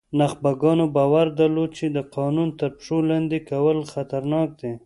نخبګانو باور درلود چې د قانون تر پښو لاندې کول خطرناک دي.